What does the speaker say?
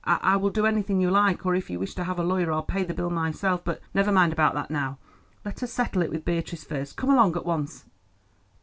"I will do anything you like, or if you wish to have a lawyer I'll pay the bill myself. But never mind about that now. Let us settle it with Beatrice first. Come along at once."